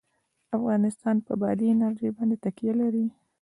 افغانستان په بادي انرژي باندې تکیه لري.